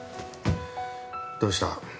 どうした？